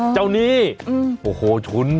เจ้านี่โอ้โหชุ้น